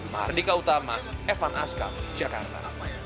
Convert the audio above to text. mahardika utama evan askam jakarta